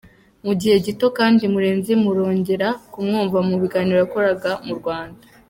Mu gihe gito kandi, Murenzi murongera kumwumva mu biganiro yakoraga mu Rwanda.